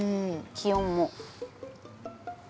気温も。